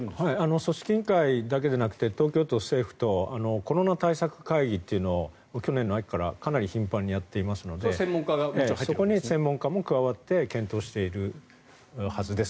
組織委員会だけじゃなくて東京都、政府とコロナ対策会議というのを去年の秋からかなり頻繁にやっていますからそこに専門家も加わって検討しているはずです。